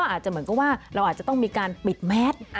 อาจจะเหมือนกับว่าเราอาจจะต้องมีการปิดแมส